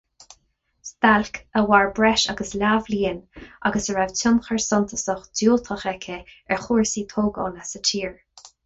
Stailc a mhair breis agus leathbhliain agus a raibh tionchar suntasach diúltach aici ar chúrsaí tógála sa tír.